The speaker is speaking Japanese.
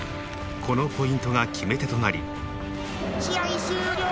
このポイントが決め手となり試合終了！